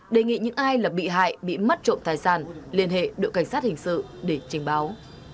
đề nghị những ai là bị hại bị mất trộm tài sản liên hệ đội cảnh sát hình sự để trình báo